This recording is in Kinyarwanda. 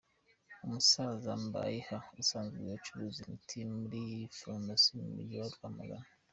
Umusaza Mbayiha asanzwe acuruza imiti muri farumasi mu mujyi wa Rwamagana.